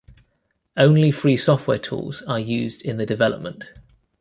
Only free software tools are used in the development.